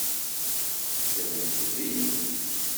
Ddrent din.